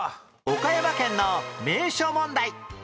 岡山県の名所問題